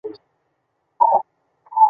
仁安羌镇为缅甸马圭省马圭县的镇区。